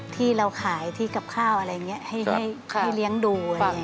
ที่เราขายที่กับข้าวอะไรอย่างนี้ให้เลี้ยงดู